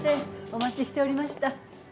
お待ちしておりました。